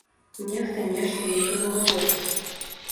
Нехта нешта некаму гаворыць.